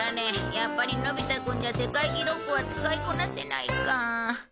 やっぱりのび太くんじゃ世界記録は使いこなせないか。